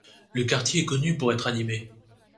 Le quartier est connu pour être animé.